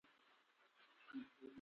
تنوع اوسېږي.